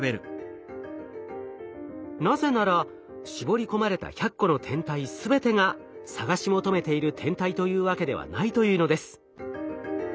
なぜなら絞り込まれた１００個の天体全てが探し求めている天体というわけではないというのです。